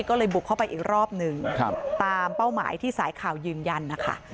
ก็เลยบุกเข้าไปอีกรอบหนึ่งตามเป้าหมายที่สายข่าวยืนยันนะคะ